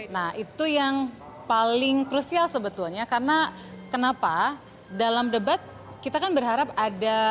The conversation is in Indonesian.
nah itu yang paling krusial sebetulnya karena kenapa dalam debat kita kan berharap ada